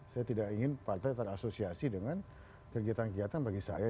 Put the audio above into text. saya tidak ingin partai terasosiasi dengan kegiatan kegiatan bagi saya